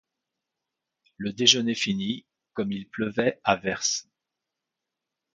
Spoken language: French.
Le déjeuner fini, comme il pleuvait à verse.